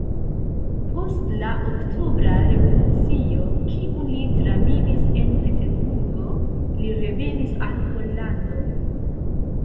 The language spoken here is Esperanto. Post la Oktobra Revolucio, kiun li travivis en Peterburgo, li revenis al Pollando.